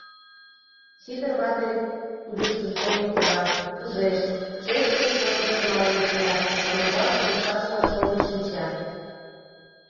Сидыр вате кудышкыжо толын пура, ужеш: шешкыже койкышто мален кия, самовар пудештшашла шолын шинча.